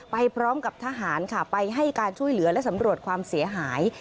ไปพร้อมกับทหารค่ะไปให้การช่วยเหลือและสำรวจความเสียหาย